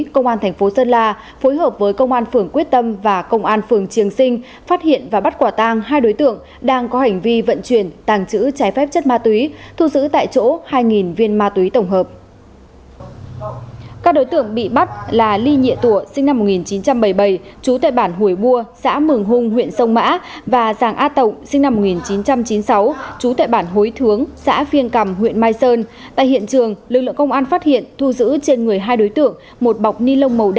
cảm ơn các bạn đã theo dõi